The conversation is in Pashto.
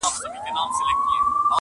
له زلمیو خوښي ورکه له مستیو دي لوېدلي!.